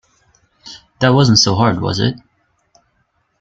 That wasn't so hard, was it?